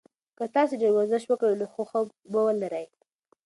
که تاسي ډېر ورزش وکړئ نو ښه خوب به ولرئ.